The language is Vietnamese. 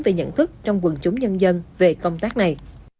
về nhận thức trong quần chúng nhân dân về công tác này